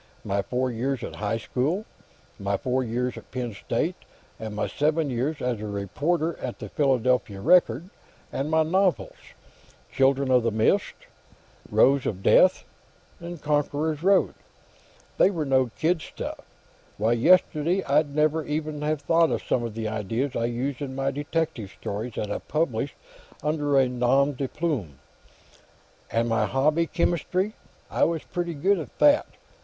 My four years at high school, and my four years at Penn State, and my seven years as a reporter on the Philadelphia Record. And my novels: 'Children of the Mist,' 'Rose of Death,' 'Conqueror's Road.' They were no kid stuff. Why, yesterday I'd never even have thought of some of the ideas I used in my detective stories, that I published under a nom de plume. And my hobby, chemistry; I was pretty good at that.